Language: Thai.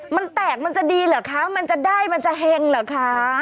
มันแตกมันจะดีเหรอคะมันจะได้มันจะเห็งเหรอคะ